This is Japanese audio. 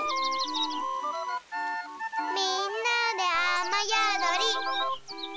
みんなであまやどり。